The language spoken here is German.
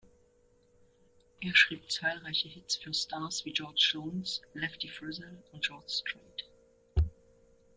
Er schrieb zahlreiche Hits für Stars wie George Jones, Lefty Frizzell und George Strait.